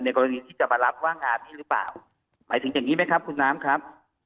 กรณีที่จะมารับว่างงานนี้หรือเปล่าหมายถึงอย่างนี้ไหมครับคุณน้ำครับ